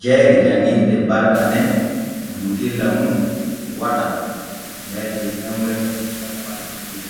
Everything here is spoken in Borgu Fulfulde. Jayri janŋirde Barka nen juutella mum waɗan m hemre e cappanɗe joy.